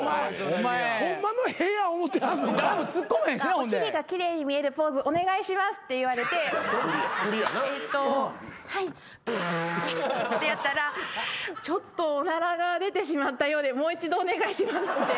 「お尻が奇麗に見えるポーズお願いします」って言われて「えっとはい」ってやったら「ちょっとおならが出てしまったようでもう一度お願いします」って。